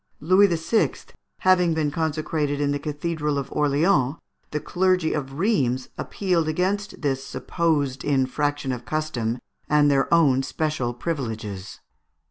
Louis VI. having been consecrated in the Cathedral of Orleans, the clergy of Rheims appealed against this supposed infraction of custom and their own special privileges.